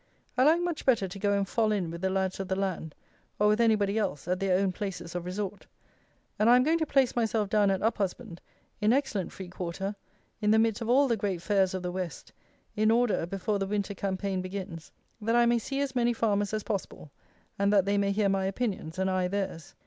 I like much better to go and fall in with the lads of the land, or with anybody else, at their own places of resort; and I am going to place myself down at Uphusband, in excellent free quarter, in the midst of all the great fairs of the West, in order, before the winter campaign begins, that I may see as many farmers as possible, and that they may hear my opinions, and I theirs.